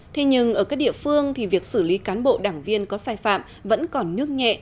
thế nhưng ở các địa phương thì việc xử lý cán bộ đảng viên có sai phạm vẫn còn nước nhẹ